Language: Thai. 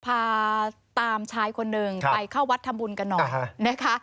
พาตามชายคนหนึ่งไปเข้าวัดทำบุญกันหน่อยนะคะ